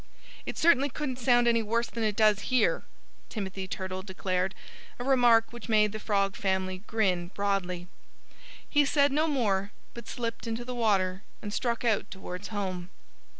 "It certainly couldn't sound any worse than it does here," Timothy Turtle declared a remark which made the Frog family grin broadly. He said no more, but slipped into the water and struck out towards home.